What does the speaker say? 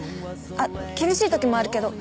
あっ厳しいときもあるけど